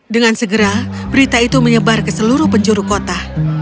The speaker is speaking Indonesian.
dengan segera berita itu menyebar ke seluruh penjuru kota